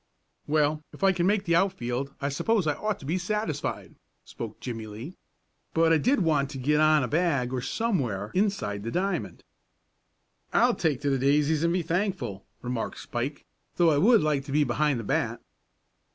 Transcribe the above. "Well, if I can make the outfield I suppose I ought to be satisfied," spoke Jimmie Lee. "But I did want to get on a bag, or somewhere inside the diamond." "I'll take to the daisies and be thankful," remarked Spike; "though I would like to be behind the bat."